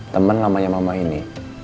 temen namanya mama ini